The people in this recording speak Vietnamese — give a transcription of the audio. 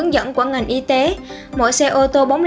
dẫn của ngành y tế mỗi xe ô tô